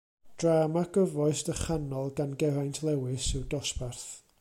Drama gyfoes ddychanol gan Geraint Lewis yw Dosbarth.